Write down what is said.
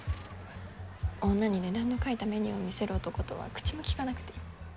女に値段の書いたメニューを見せる男とは口もきかなくていい。